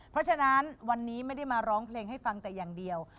เพราะฉะนั้นวันนี้ไม่ได้มาร้องเพลงให้ฟังแต่อย่างเดียว